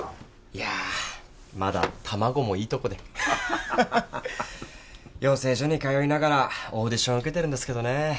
いやまだ卵もいいとこでハハハハハッ養成所に通いながらオーディション受けてるんですけどね